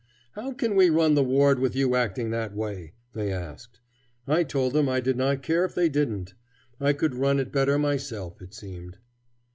"How can we run the ward with you acting that way?" they asked. I told them I did not care if they didn't. I could run it better myself, it seemed.